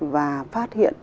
và phát hiện